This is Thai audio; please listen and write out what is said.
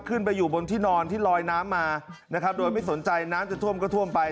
ขึ้นไปอยู่บนที่นอนที่ลอยน้ำมานะครับโดยไม่สนใจน้ำจะท่วมก็ท่วมไป